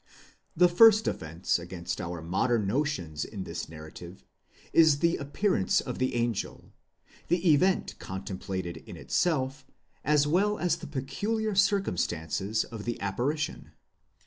The first offence against our modern notions in this narrative is the appear ance of the angel: the event contemplated in itself, as well as the peculiar circumstances of the apparition.